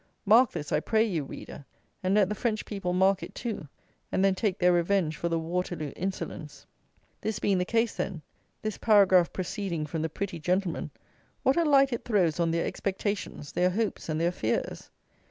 Mark this, I pray you, reader; and let the French people mark it, too, and then take their revenge for the Waterloo insolence. This being the case, then; this paragraph proceeding from the pretty gentlemen, what a light it throws on their expectations, their hopes, and their fears.